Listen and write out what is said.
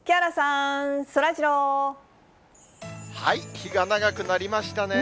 日が長くなりましたね。